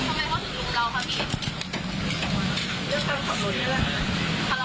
หนูลงไปไหว้แล้วนะคะมีนี่ด้วยค่ะ